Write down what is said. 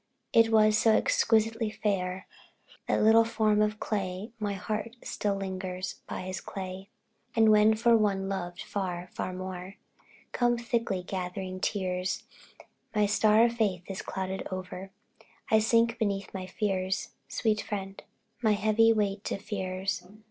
It was so exquisitely fair, That little form of clay my heart Still lingers by his clay. And when for one loved far, far more, Come thickly gathering tears; My star of faith is clouded o'er, I sink beneath my fears sweet friend, My heavy weight of fears.